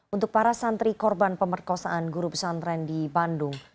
untuk para santri korban pemerkosaan guru pesantren di bandung